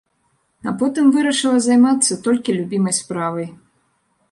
А потым вырашыла займацца толькі любімай справай.